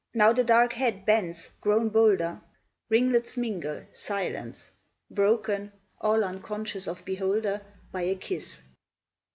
Now the dark head bends, grown bolder. Ringlets mingle silence broken (All unconscious of beholder) By a kiss!